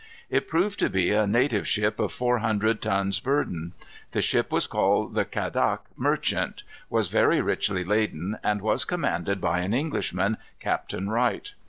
It proved to be a native ship of four hundred tons burden. The ship was called the Quedagh Merchant, was very richly laden, and was commanded by an Englishman, Captain Wright.